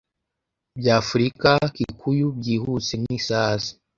Bya Afurika Kikuyu byihuse nkisazi